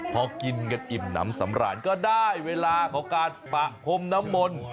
พอกินกันอิ่มน้ำสำราญก็ได้เวลาของการปะพรมน้ำมนต์